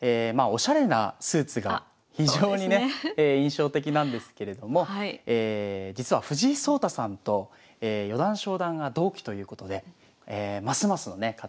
おしゃれなスーツが非常にね印象的なんですけれども実は藤井聡太さんと四段昇段が同期ということでますますのね